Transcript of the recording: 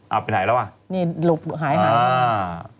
เอ้าไปไหนลูกหายมาแล้ว